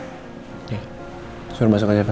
permisi pak al ada tamu untuk bapak